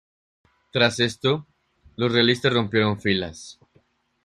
Tras esto, los realistas rompieron filas.